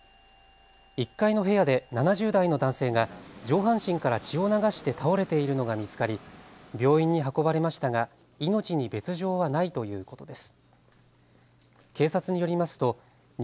１階の部屋で７０代の男性が上半身から血を流して倒れているのが見つかり病院に運ばれましたが命に別状はないということです。